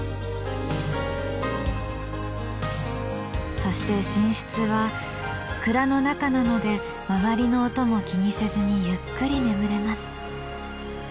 そして寝室は蔵の中なので周りの音も気にせずにゆっくり眠れます。